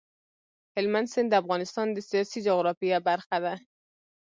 هلمند سیند د افغانستان د سیاسي جغرافیه برخه ده.